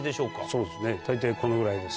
そうですね大体このぐらいです。